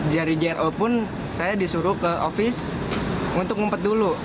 jari jro pun saya disuruh ke office untuk ngumpet dulu